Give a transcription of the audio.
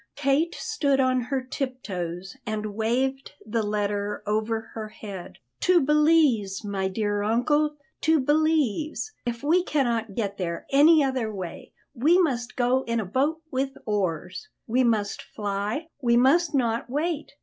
Kate stood on her tip toes and waved the letter over her head. "To Belize, my dear uncle, to Belize! If we cannot get there any other way we must go in a boat with oars. We must fly, we must not wait.